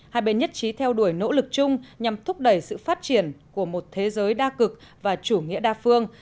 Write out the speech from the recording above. hai bên nhất trí theo đuổi nỗ lực chung nhằm thúc đẩy sự phát triển của một thế giới đa cực và chủ nghĩa đa phương